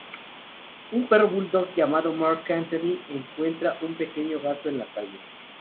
Un perro bulldog llamado Marc Anthony encuentra un pequeño gato en la calle.